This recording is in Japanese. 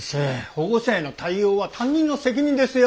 保護者への対応は担任の責任ですよ。